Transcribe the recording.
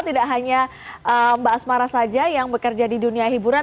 tidak hanya mbak asmara saja yang bekerja di dunia hiburan